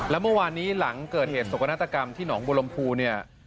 แล้วเมื่อวานนี้หลังเกิดเหตุสกนาฏกรรมที่หนองบุรมภูเนี่ย